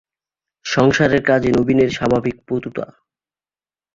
সংসারের কাজে নবীনের স্বাভাবিক পটুতা।